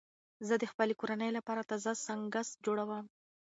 زه د خپلې کورنۍ لپاره تازه سنکس جوړوم.